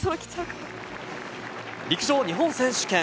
陸上・日本選手権。